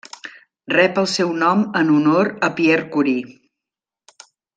Rep el seu nom en honor a Pierre Curie.